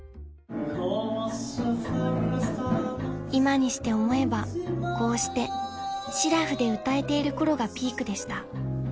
［今にして思えばこうしてしらふで歌えている頃がピークでした］